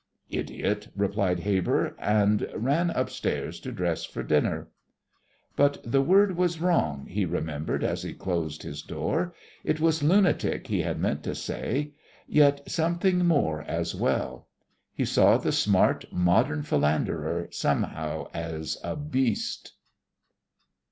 "Idiot!" replied Heber, and ran upstairs to dress for dinner. But the word was wrong, he remembered, as he closed his door. It was lunatic he had meant to say, yet something more as well. He saw the smart, modern philanderer somehow as a beast.